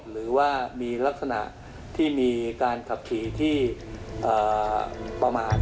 หรือว่ามีลักษณะที่มีการขับขี่ที่ประมาณ